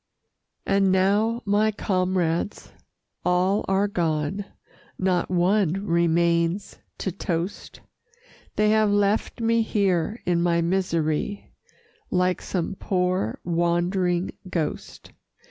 And now my comrades all are gone, Not one remains to toast; They have left me here in my misery, Like some poor wandering ghost.